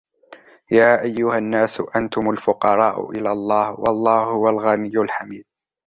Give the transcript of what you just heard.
يَا أَيُّهَا النَّاسُ أَنْتُمُ الْفُقَرَاءُ إِلَى اللَّهِ وَاللَّهُ هُوَ الْغَنِيُّ الْحَمِيدُ